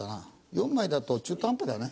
４枚だと中途半端だよな。